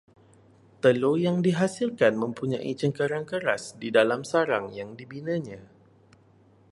Telur yang dihasilkan mempunyai cangkerang keras di dalam sarang yang dibinanya